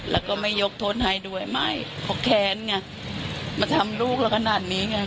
แล้วก็ไม่ยกทนให้ด้วยไม่เขาแค้นไงมาทำลูกเราขนาดนี้ไง